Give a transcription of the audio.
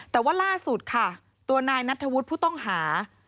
แต่ว่าล่าสุดค่ะตัวนายนัทธวุฒิผู้ต้องหา